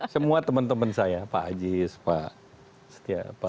semua teman teman saya pak aziz pak setia